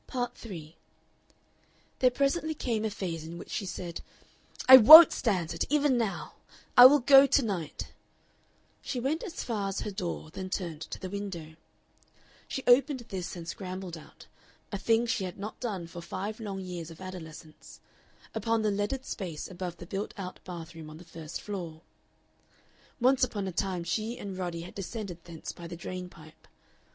Part 3 There presently came a phase in which she said: "I WON'T stand it even now. I will go to night." She went as far as her door, then turned to the window. She opened this and scrambled out a thing she had not done for five long years of adolescence upon the leaded space above the built out bath room on the first floor. Once upon a time she and Roddy had descended thence by the drain pipe.